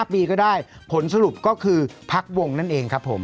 ปีก็ได้ผลสรุปก็คือพักวงนั่นเองครับผม